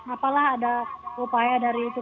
apalah ada upaya dari itu